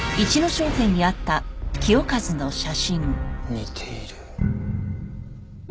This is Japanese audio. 似ている。